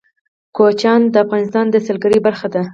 کوچیان د افغانستان د سیلګرۍ برخه ده.